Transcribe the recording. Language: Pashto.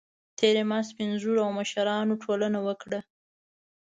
تېره میاشت سپین ږیرو او مشرانو ټولنه وکړه